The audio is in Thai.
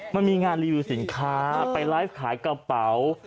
มันมีงานรีวิวสินค้าไปไลฟ์ขายกระเป๋า